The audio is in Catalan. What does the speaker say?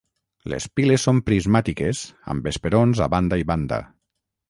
Les piles són prismàtiques amb esperons a banda i banda.